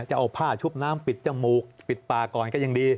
จะเอาผ้าชุบน้ำปิดจมูกปิดปากก่อนก็ยังดี